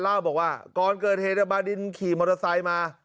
เล่าบอกว่าก่อนเกิดเหตุบาดินขี่มอเตอร์ไซค์มา